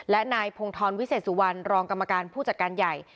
และนายพงธรวิเศษสุวรรณรองกรรมการผู้จัดการใหญ่